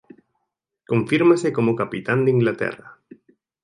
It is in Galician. Confírmase como capitán de Inglaterra.